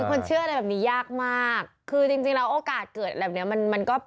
คนเชื่ออะไรแบบนี้ยากมากคือจริงจริงแล้วโอกาสเกิดแบบเนี้ยมันมันก็